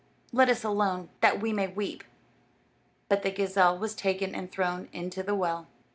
Let us alone, that we may weep." But the gazelle was taken and thrown into the well.